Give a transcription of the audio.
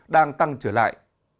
đang tăng trở lại